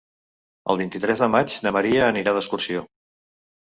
El vint-i-tres de maig na Maria anirà d'excursió.